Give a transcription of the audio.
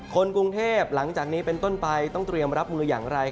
คนกรุงเทพหลังจากนี้เป็นต้นไปต้องเตรียมรับมืออย่างไร